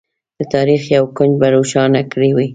د تاریخ یو کونج به روښانه کړی وي.